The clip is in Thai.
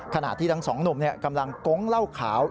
ขนาดที่ทั้ง๒หนุ่มกำลังกงเล่าขาว